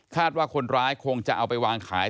ว่าคนร้ายคงจะเอาไปวางขาย